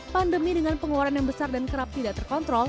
pandemi dengan pengeluaran yang besar dan kerap tidak terkontrol